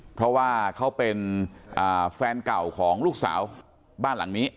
เพราะว่าเขาเป็นแฟนเก่าของลูกสาวบ้านหลังนี้